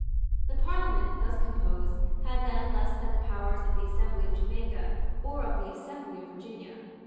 The Parliament, thus composed, had then less than the powers of the Assembly of Jamaica or of the Assembly of Virginia.